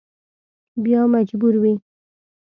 بیا مجبور وي.